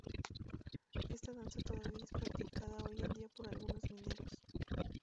Esta danza todavía es practicada hoy en día por algunos mineros.